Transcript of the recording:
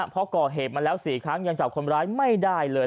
เพราะก่อเหตุมาแล้ว๔ครั้งยังจับคนร้ายไม่ได้เลย